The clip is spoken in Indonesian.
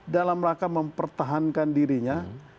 dalam raka mempertahankan dirinya